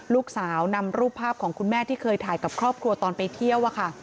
ลูกสาวนำรูปภาพของคุณแม่ที่เคยถ่ายกับครอบครัวตอนไปเที่ยวค่ะ